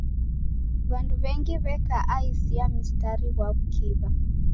W'andu w'engi w'eka aisi ya msitari ghwa w'ukiw'a.